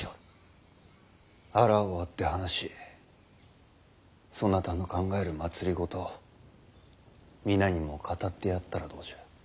腹を割って話しそなたの考える政を皆にも語ってやったらどうじゃ。